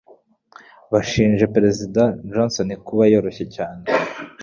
Bashinje Perezida Johnson kuba yoroshye cyane.